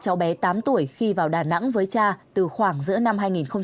cháu bé tám tuổi khi vào đà nẵng với cha từ khoảng giữa năm hai nghìn một mươi tám